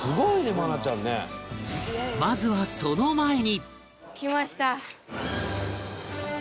まずはその前に